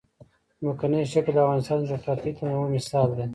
ځمکنی شکل د افغانستان د جغرافیوي تنوع مثال دی.